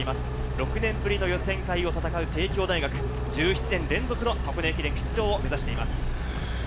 ６年ぶりの予選会を戦う帝京大学、１７年連続の箱根駅伝出場を目指しています。